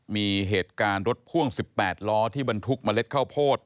มีเหตุการณ์รถพ่วง๑๘ล้อที่บรรทุกเมล็ดข้าวโพด